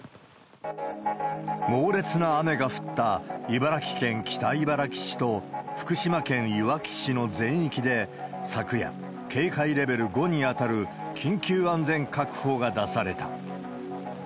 猛烈な雨が降った茨城県北茨城市と、福島県いわき市の全域で昨夜、警戒レベル５に当たる緊急安全確保が出された。